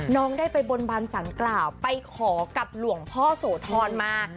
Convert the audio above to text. น้องได้ไปบนบานสารกล่าวไปขอกับหลวงพ่อโสธรมา